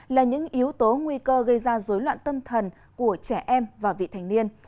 là những yếu tố nguy cơ gây ra dối loạn tâm thần của trẻ em và vị thành niên